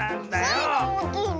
スイがおおきいの！